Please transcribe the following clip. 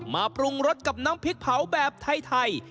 ปรุงรสกับน้ำพริกเผาแบบไทย